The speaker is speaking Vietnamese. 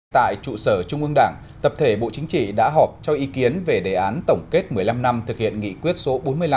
tại trụ sở trung ương đảng tập thể bộ chính trị đã họp cho ý kiến về đề án tổng kết một mươi năm năm thực hiện nghị quyết số bốn mươi năm